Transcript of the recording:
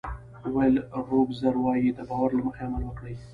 ویل روګرز وایي د باور له مخې عمل وکړئ.